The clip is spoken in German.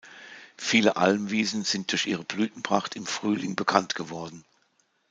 Viele Almwiesen sind durch ihre Blütenpracht im Frühling bekannt geworden.